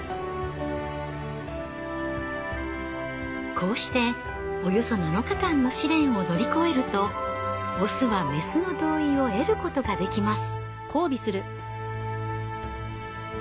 こうしておよそ７日間の試練を乗り越えるとオスはメスの同意を得ることができます。